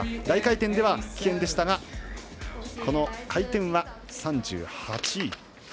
大回転では棄権でしたがこの回転は３８位。